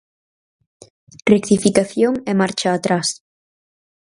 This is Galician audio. Rectificación e marcha atrás.